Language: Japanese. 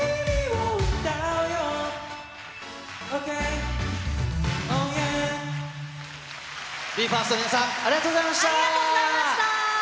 ＢＥ：ＦＩＲＳＴの皆さん、ありがとうございました。